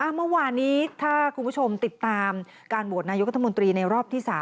เมื่อวานนี้ถ้าคุณผู้ชมติดตามการโหวตนายุทธมนตรีในรอบที่๓